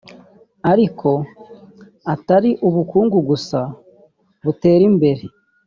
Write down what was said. Ariko atari ubukungu gusa butera imbere